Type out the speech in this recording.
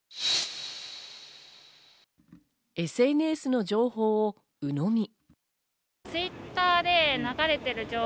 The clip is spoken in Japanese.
ＳＮＳの情報をうのみ。